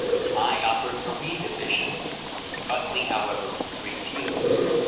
I offered a redivision. Buckley, however, refused.